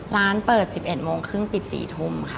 ร้านเปิด๑๑โมงครึ่งปิด๔ทุ่มค่ะ